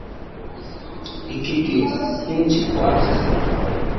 Ikike njikwa